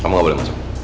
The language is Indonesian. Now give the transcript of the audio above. kamu gak boleh masuk